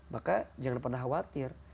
maka jangan pernah khawatir